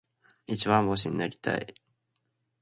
一番星になりたい。